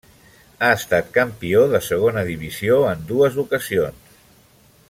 Ha estat campió de segona divisió en dues ocasions.